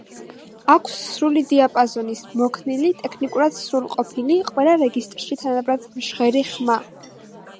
აქვს სრული დიაპაზონის, მოქნილი, ტექნიკურად სრულყოფილი, ყველა რეგისტრში თანაბრად მჟღერი ხმა.